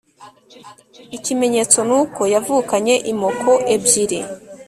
ikimenyetso nuko yavukanye imoko ebyiri